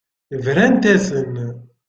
Brant-asen.